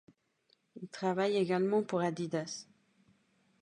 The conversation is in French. Il travaille également pour Adidas.